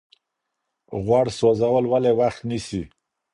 غوړ سوځول ولې وخت نیسي؟